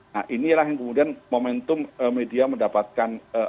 nah inilah yang kemudian momentum media mendapatkan